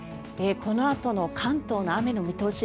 このあとの関東の雨の見通し